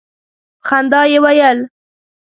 په خندا یې ویل.